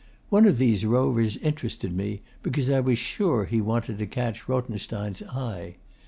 One of these rovers interested me because I was sure he wanted to catch Rothenstein's eye.